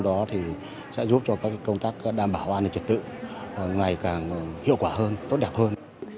đó thì sẽ giúp cho các công tác đảm bảo an ninh trật tự ngày càng hiệu quả hơn tốt đẹp hơn